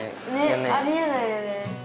ねありえないよね。